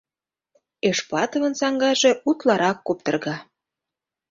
— Эшплатовын саҥгаже утларак куптырга.